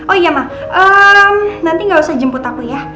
oh iya mak nanti gak usah jemput aku ya